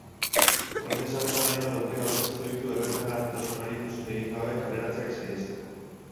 Horren esanetan, hainbat aukera aurkeztu ditu errentagarritasunari muzin egin gabe kaleratzeak saihesteko.